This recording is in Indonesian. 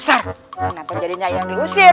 kenapa jadinya yang diusir